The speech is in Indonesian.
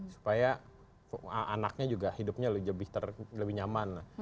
supaya anaknya juga hidupnya lebih nyaman